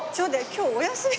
今日お休み？